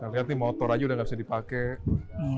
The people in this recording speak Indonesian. nanti lihat nih motor aja udah gak bisa dipakai